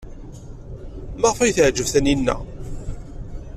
Maɣef ay teɛjeb Taninna?